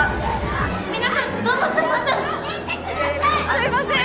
すいません！